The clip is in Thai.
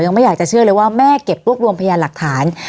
ไม่อยากจะเชื่อเลยว่าแม่เก็บรวบรวมพยานหลักฐาน